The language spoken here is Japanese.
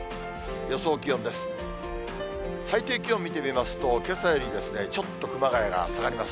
予想気温です。